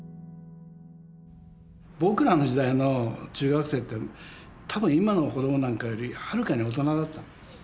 僕らの時代の中学生って多分今の子供なんかよりはるかに大人だった。